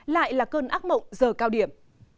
lại là cơn ác mộng giờ cao điểm